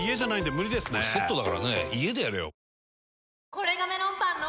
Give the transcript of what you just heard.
これがメロンパンの！